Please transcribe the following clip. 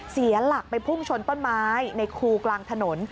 เสียหลักไปพุ่งชนต้นไม้ในคูกลางถนน